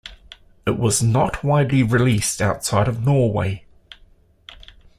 It was not widely released outside of Norway.